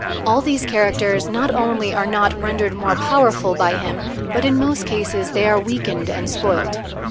All these characters not only are not rendered more powerful by him, but, in most cases, they are weakened and spoilt.